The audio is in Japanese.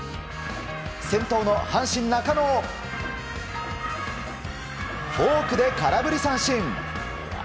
先頭の阪神、中野をフォークで空振り三振。